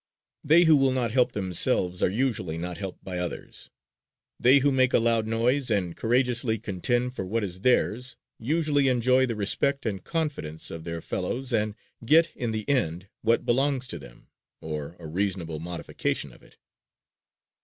They who will not help themselves are usually not helped by others. They who make a loud noise and courageously contend for what is theirs, usually enjoy the respect and confidence of their fellows and get, in the end, what belongs to them, or a reasonable modification of it.